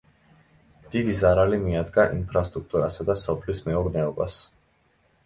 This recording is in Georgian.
დიდი ზარალი მიადგა ინფრასტრუქტურასა და სოფლის მეურნეობას.